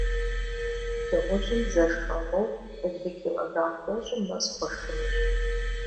Дыгъужьым зэ шхэгъуэу лы килограмм тIощIым нэс хуэшхынущ.